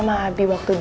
itu kasih apa kamu